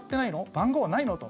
番号ないの？と。